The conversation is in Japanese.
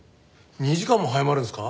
２時間も早まるんですか？